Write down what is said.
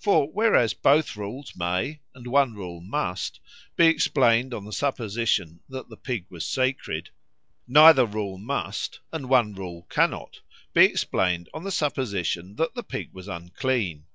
For whereas both rules may, and one rule must, be explained on the supposition that the pig was sacred; neither rule must, and one rule cannot, be explained on the supposition that the pig was unclean.